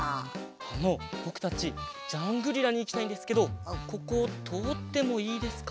あのぼくたちジャングリラにいきたいんですけどこことおってもいいですか？